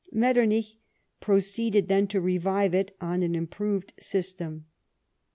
Metter nich proceeded then to revive it on an improved system.